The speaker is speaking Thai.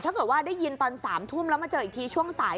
ถ้าเกิดว่าได้ยินตอน๓ทุ่มแล้วมาเจออีกทีช่วงสาย